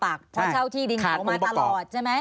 เพราะเช่าที่ดินของมาตลอดใช่ไหม